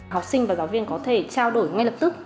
học sinh và giáo viên có thể trao đổi ngay lập tức